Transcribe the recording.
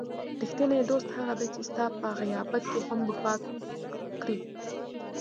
رښتینی دوست هغه دی چې ستا په غیابت کې هم دفاع کړي.